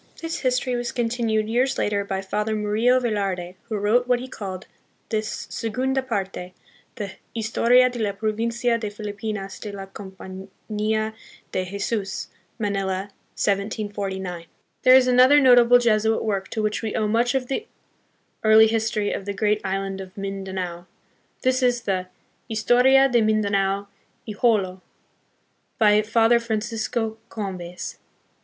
This history was continued years later by Father Murillo Velarde, who wrote what he called the Segunda Parte, the Historia de la Provincia de Filipinas de la Compania de Jesus, Manila, 1749. 18 THE PHILIPPINES. There is another notable Jesuit work to which we owe much of the early history of the great island of Mindanao : this is the Historia de Mindanao y Jolo, by Father Fran cisco Combes.